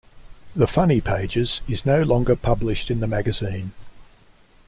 "The Funny Pages" is no longer published in the magazine.